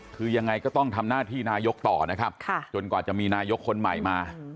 คือยังไงก็ต้องทำหน้าที่นายกต่อนะครับจนกว่าจะมีนายกคนใหม่มา